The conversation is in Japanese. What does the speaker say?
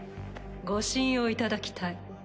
ご信用いただきたい。